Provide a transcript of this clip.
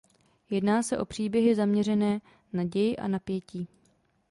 Jedná se o příběhy zaměřené na děj a napětí.